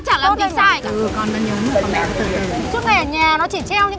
cháu đỡ phải mang laptop đi bán không